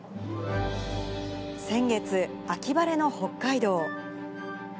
先月、秋晴れの北海道。